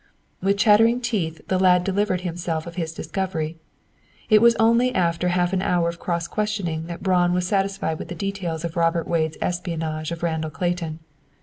With chattering teeth, the lad delivered himself of his discovery. It was only after half an hour of cross questioning that Braun was satisfied with the details of Robert Wade's espionage of Randall Clayton.